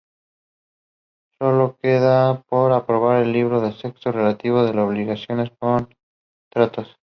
Sólo queda por aprobar el Libro sexto, relativo a las obligaciones y contratos.